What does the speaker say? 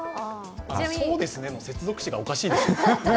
「そうですね」の接続詞がおかしいですね。